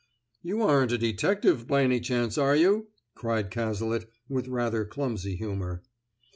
"You aren't a detective, by any chance, are you?" cried Cazalet, with rather clumsy humor.